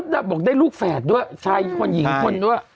บอกได้ลูกแฝดด้วยชายคนหญิงคนด้วย